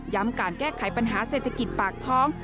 การแก้ไขปัญหาเศรษฐกิจปากท้อง